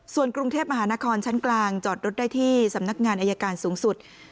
ส่วนกรุงเทพมหานครชั้นกลางจอดรถได้ที่สำนักงานอายการสูงสุด